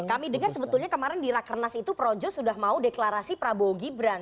kami dengar sebetulnya kemarin di rakernas itu projo sudah mau deklarasi prabowo gibran